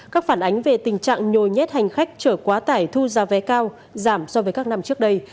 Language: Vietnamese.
các phản ánh về tình trạng nhồi nhét hành khách trở quá tải thu giá vé cao giảm so với các năm trước đây